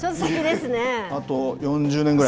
あと４０年ぐらい？